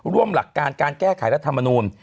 ร่วมหลักการการแก้ไขรัฐธรรมนูน